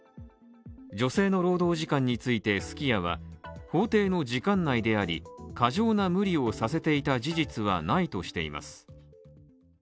女性の労働時間についてすき家は、法定の時間内であり、過剰な無理をさせていた事実はないとしています。